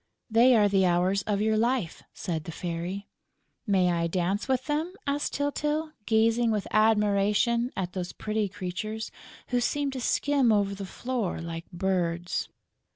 "They are the Hours of your life," said the Fairy. "May I dance with them?" asked Tyltyl, gazing with admiration at those pretty creatures, who seemed to skim over the floor like birds.